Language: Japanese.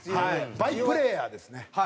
バイプレーヤーですね。